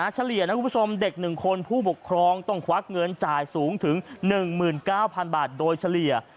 เฉลี่ยนะคุณผู้ชมเด็ก๑คนผู้ปกครองต้องควักเงินจ่ายสูงถึง๑๙๐๐บาทโดยเฉลี่ย